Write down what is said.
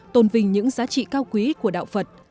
tôn vinh những giá trị cao quý của đạo phật